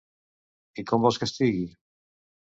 I com vols que estigui?